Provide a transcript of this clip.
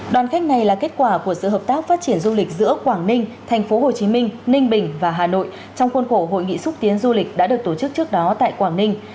đoàn khách này là kết quả của sự hợp tác phát triển du lịch giữa quảng ninh thành phố hồ chí minh ninh bình và hà nội trong khuôn khổ hội nghị xúc tiến du lịch đã được tổ chức trước đó tại quảng ninh